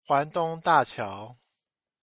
環東大橋